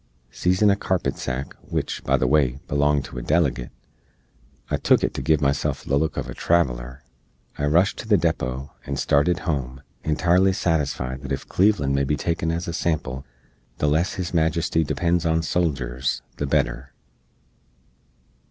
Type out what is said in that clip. Seezin a carpet sack, wich, by the way, belonged to a delegate (I took it to give myself the look of a traveler), I rushed to the depot, and startid home, entirely satisfied that ef Cleveland may be taken as a sample, the less His Majesty depends on soljers, the better.